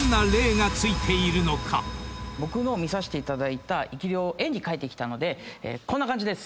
僕の見させていただいた生き霊を絵に描いてきたのでこんな感じです！